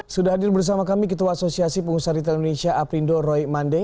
sudah hadir bersama kami ketua asosiasi pengusaha retail indonesia aprindo roy mandeh